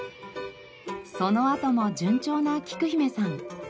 そのあとも順調なきく姫さん。